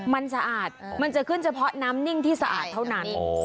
มันสะอาดมันจะขึ้นเฉพาะน้ำนิ่งที่สะอาดเท่านั้น